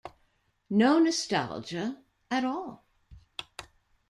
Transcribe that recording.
No nostalgia at all.